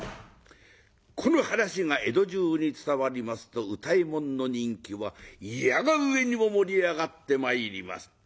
この話が江戸中に伝わりますと歌右衛門の人気はいやが上にも盛り上がってまいります。